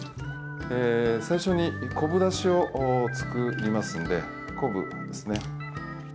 最初に昆布だしを作りますので、昆布ですね。